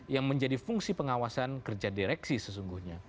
yang menjadi fungsi pengawasan kerja direksi sesungguhnya